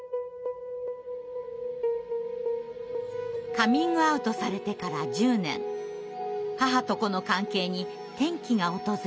カミングアウトされてから１０年母と子の関係に転機が訪れます。